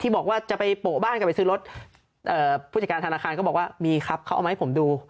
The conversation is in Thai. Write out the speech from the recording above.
บอกว่าจะไปโปะบ้านกลับไปซื้อรถผู้จัดการธนาคารก็บอกว่ามีครับเขาเอามาให้ผมดู